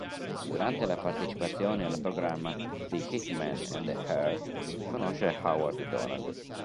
Durante la partecipazione al programma "The Hit Man and Her" conosce Howard Donald.